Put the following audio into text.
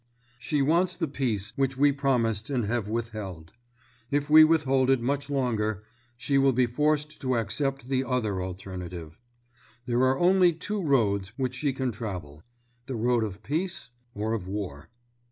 She wants the peace which we promised and have withheld. If we withhold it much longer, she will be forced to accept the other alternative. There are only two roads which she can travel; the road of peace or of war.